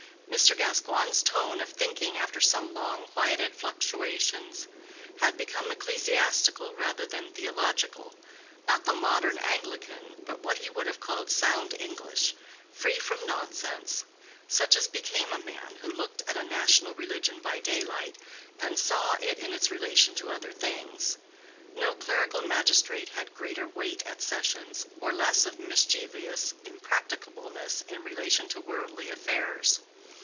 Mr. Gascoigne's tone of thinking after some long quieted fluctuations had become ecclesiastical rather than theological; not the modern Anglican, but what he would have called sound English, free from nonsense; such as became a man who looked at a national religion by daylight, and saw it in its relation to other things. No clerical magistrate had greater weight at sessions, or less of mischievous impracticableness in relation to worldly affairs.